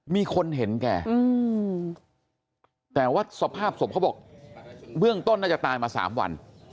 มีคนเห็นแกแต่ว่าสภาพศพเขาบอกเบื้องต้นน่าจะตายมา๓วัน